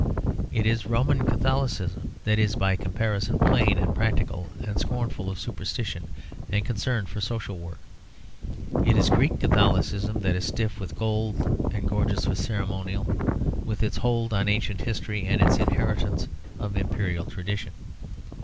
It is Roman Catholicism that is by comparison plain and practical and scornful of superstition and concerned for social work. It is Greek Catholicism that is stiff with gold and gorgeous with ceremonial, with its hold on ancient history and its inheritance of imperial tradition.